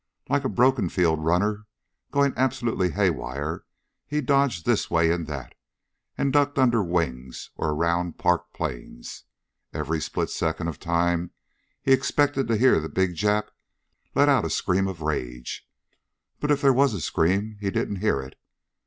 Like a broken field runner going absolutely haywire he dodged this way and that, and ducked under wings, or around parked planes. Every split second of the time he expected to hear the big Jap let out a scream of rage, but if there was a scream he didn't hear it.